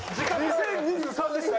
２０２３でした？